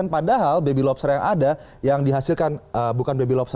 padahal baby lobster yang ada yang dihasilkan bukan baby lobster maksudnya benih lobster